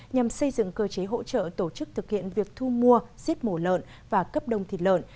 nhằm xây dựng cơ chế hỗ trợ tổ chức thực hiện việc thu mua giết mổ lợn và cấp đông thịt lợn